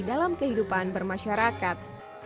dalam kehidupan bermasyarakat